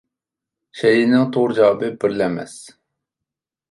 شەيئىنىڭ توغرا جاۋابى بىرلا ئەمەس.